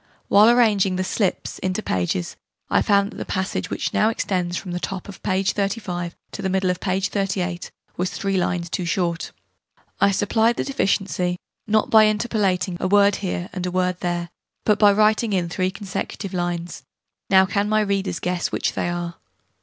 While arranging the 'slips' into pages, I found that the passage, whichnow extends from the top of p. 35 to the middle of p. 38, was 3 lines too short. I supplied the deficiency, not by interpolating a word here and a word there, but by writing in 3 consecutive lines. Now can my readers guess which they are?